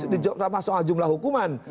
di jumlah hukuman